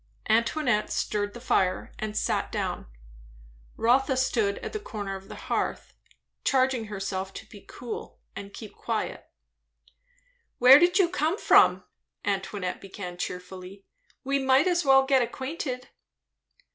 Antoinette stirred the fire and sat down. Rotha stood at the corner of the hearth, charging herself to be cool and keep quiet. "Where did you come from?" Antoinette began cheerfully. "We might as well get acquainted."